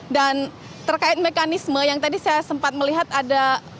dan terkait mekanisme yang tadi saya sempat melihat ada berhenti